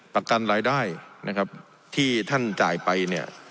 ประกันรายได้นะครับที่ท่านจ่ายไปเนี่ย